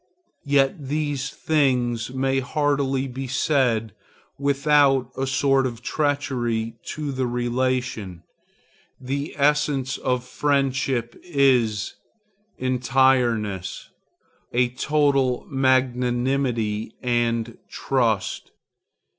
Yet these things may hardly be said without a sort of treachery to the relation. The essence of friendship is entireness, a total magnanimity and trust.